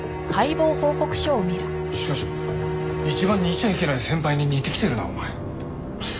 しかし一番似ちゃいけない先輩に似てきてるなお前。